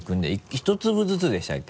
１粒ずつでしたっけ？